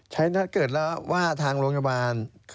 ถ้าเกิดแล้วว่าทางโรงพยาบาล